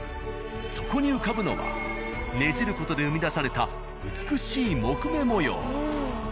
そこに浮かぶのはねじる事で生み出された美しい木目模様。